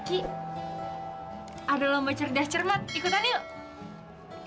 ki ada lomba cerdas cermat ikutan yuk